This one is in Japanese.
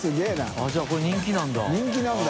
あっじゃあこれ人気なんだ。